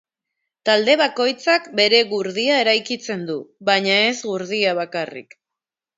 Talde bakoitzak bere gurdia eraikitzen du, baina ez gurdia bakarrik.